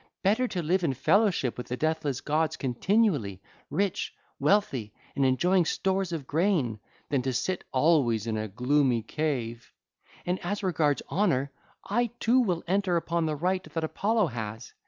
Better to live in fellowship with the deathless gods continually, rich, wealthy, and enjoying stories of grain, than to sit always in a gloomy cave: and, as regards honour, I too will enter upon the rite that Apollo has.